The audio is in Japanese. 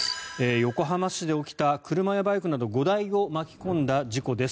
横浜市で起きた、車やバイクなど５台を巻き込んだ事故です。